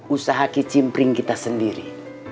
usaha kicimpring kita sendiri